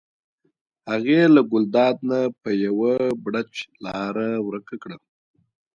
هغې له ګلداد نه په یو بړچ لاره ورکه کړه.